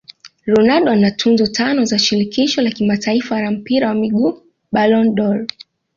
Ronaldo ana tuzo tano za shirikisho la kimataifa la mpira wa miguu Ballon dOr